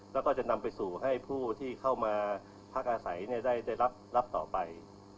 แล้วก็จะนำไปสู่ให้ผู้ที่เข้ามาพักอาศัยได้รับต่อไป